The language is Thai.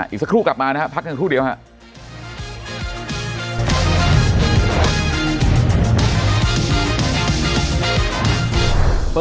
อีกสักครู่กลับมานะครับพักกันครู่เดียวครับ